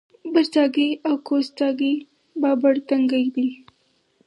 برڅاګی او کوز څاګی بابړ تنګی دی